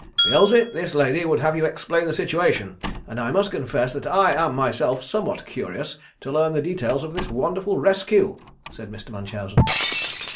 "Beelzy, this lady would have you explain the situation, and I must confess that I am myself somewhat curious to learn the details of this wonderful rescue," said Mr. Munchausen.